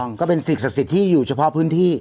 ถูกต้องก็เป็นศิษย์ศักดิ์ที่ที่อยู่เฉพาะพื้นที่